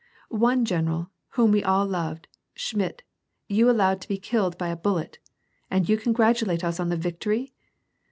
One general, whom we all loved, Schmidt, you allowed to be killed by a bullet, and you congratulate us on the victory